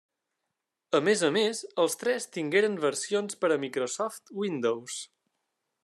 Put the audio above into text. A més a més, els tres tingueren versions per a Microsoft Windows.